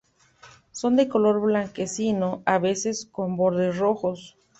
Son de color blanquecino, a veces con bordes rojos.